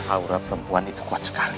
aura perempuan itu kuat sekali